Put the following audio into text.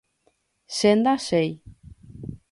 Che ndachéi.